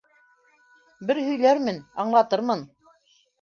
Бер һөйләрмен, аңлатырмын!